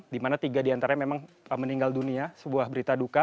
di mana tiga diantaranya memang meninggal dunia sebuah berita duka